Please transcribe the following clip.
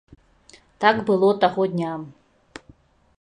Так было таго дня.